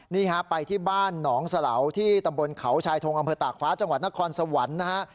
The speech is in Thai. นี่ฮะไปที่บ้านหนองสลาวที่ตำบลเขาชายทงอำเภอตากฟ้าจังหวัดนครสวรรค์นะฮะ